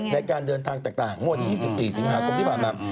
ในการเดินทางแตกต่างมั่วดี๒๔๒๕กที่บาปมา